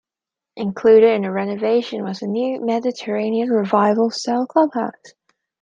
Included in the renovation was a new Mediterranean Revival-style clubhouse.